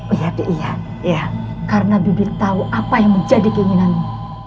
oh ya iya iya karena bibir tahu apa yang menjadi keinginanmu